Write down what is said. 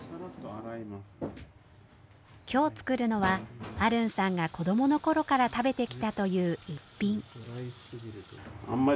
今日作るのはアルンさんが子どもの頃から食べてきたという一品。